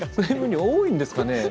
多いですかね。